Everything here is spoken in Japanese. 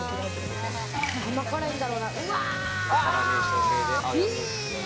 甘辛いんだろうな。